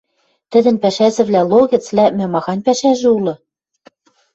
тӹдӹн пӓшӓзӹвлӓ логӹц лӓкмӹ махань пӓшӓжӹ улы?